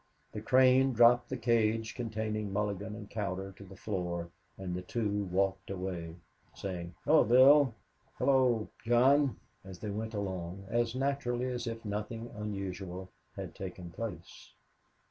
The crane dropped the cage containing Mulligan and Cowder to the floor, and the two walked out, saying, "Hello, Bill!" "Hello, John!" as they went along, as naturally as if nothing unusual had taken place.